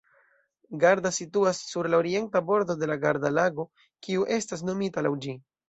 Garda situas sur la orienta bordo de la Garda-Lago, kiu estas nomita laŭ ĝi.